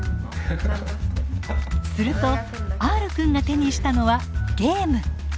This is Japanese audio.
するとＲくんが手にしたのはゲーム。